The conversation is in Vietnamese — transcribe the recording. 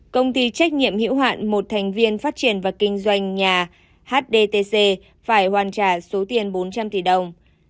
công ty trách nhiệm hữu hạn một thành viên phát triển và kinh doanh nhà hdtc phải hoàn trả số tiền bốn trăm linh tỷ đồng